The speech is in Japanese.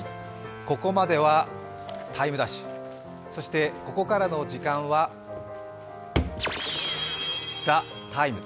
ここまでは「ＴＩＭＥ’」そしてここからの時間は「ＴＨＥＴＩＭＥ’」。